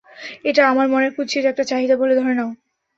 এটা আমার মনের কুৎসিত একটা চাহিদা বলে ধরে নাও।